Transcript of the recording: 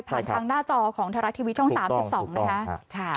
ผ่านทางหน้าจอของทะลักทีวีช่อง๓๒นะคะ